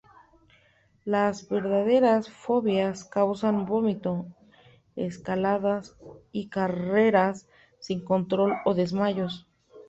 Las verdaderas fobias causan vómito, escaladas y carreras sin control o desmayos.